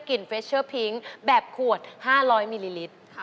เฟชเชอร์พิ้งแบบขวด๕๐๐มิลลิลิตร